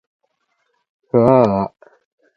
ふぁあ